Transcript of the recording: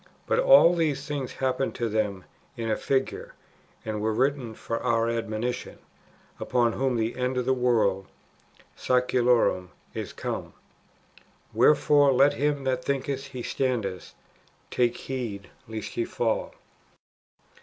But all these things happened to them in a figure, and were written for our admonition, upon whom the end of the world {sceculorum) is come. Wherefore let him that thinketh he standeth, take heed lest he fall."